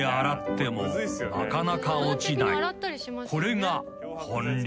［これが本流］